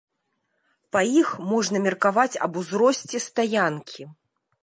Па іх можна меркаваць аб узросце стаянкі.